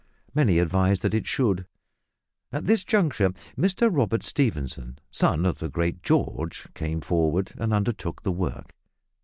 Many advised that it should. At this juncture Mr Robert Stephenson, son of the great George, came forward and undertook the work.